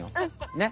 ねっ。